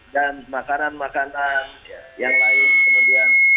dan makanan makanan yang lain